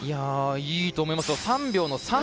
いいと思いますよ。